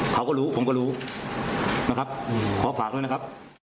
เขาก็รู้ผมก็รู้นะครับขอฝากด้วยนะครับ